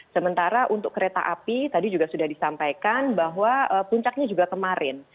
sementara untuk kereta api tadi juga sudah disampaikan bahwa puncaknya juga kemarin